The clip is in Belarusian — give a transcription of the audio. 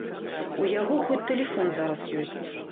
У яго хоць тэлефон зараз ёсць.